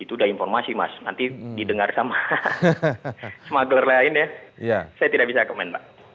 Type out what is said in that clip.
itu udah informasi mas nanti didengar sama smughler lain ya saya tidak bisa komen mbak